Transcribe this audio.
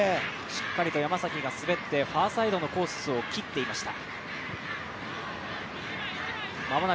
しっかりと山崎が滑ってファーサイドのコースを切っていました。